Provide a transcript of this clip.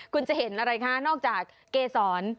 คุณจะเห็นอะไรคะนอกจากเกษร